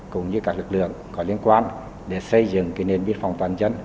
cũng như các lực lượng có liên quan để xây dựng nền biên phòng toàn dân